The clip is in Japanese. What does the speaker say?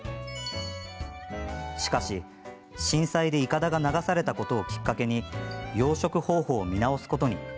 しかし震災で、いかだが流されたことをきっかけに養殖方法を見直すことに。